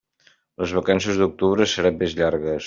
Les vacances d'octubre seran més llargues.